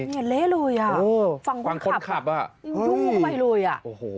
เนี่ยเละเลยอ่ะฝั่งคนขับอ่ะยุ่งเข้าไปเลยอ่ะ